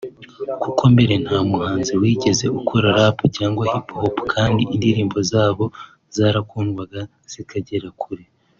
Kuko mbere nta muhanzi wigeze akora Rap cyangwa Hip Hop kandi indirimbo zabo zarakundwaga zikagera kure